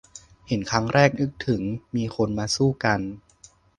เห็นครั้งแรกนึกถึงมีคนมาสู้กัน